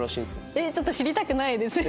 えっちょっと知りたくないです。